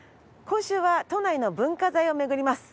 今週は都内の文化財を巡ります。